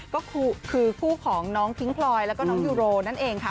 ก็คือคู่ของน้องพิ้งพลอยแล้วก็น้องยูโรนั่นเองค่ะ